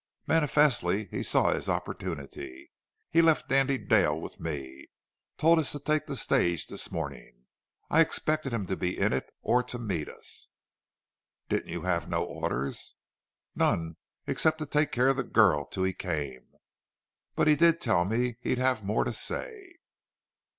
Manifestly he saw his opportunity "He left Dandy Dale with me. Told us to take the stage this morning. I expected him to be in it or to meet us." "Didn't you have no orders?" "None, except to take care of the girl till he came. But he did tell me he'd have more to say."